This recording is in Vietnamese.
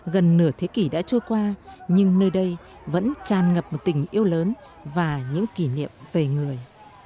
gần nửa thế kỷ đã trôi qua nhưng nơi đây vẫn tràn ngập một tình yêu lớn và những kỷ niệm về người